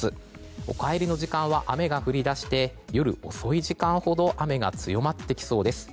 お帰りの時間は雨が降り出して夜遅い時間ほど雨が強まってきそうです。